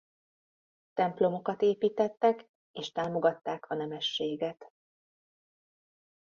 Templomokat építettek és támogatták a nemességet.